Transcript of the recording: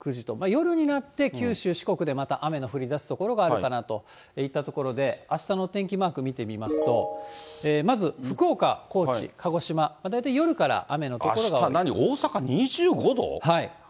夜になって、九州、四国で雨の降りだす所があるかなといったところで、あしたのお天気マーク見てみますと、まず福岡、高知、鹿児島、あした何、大阪２５度？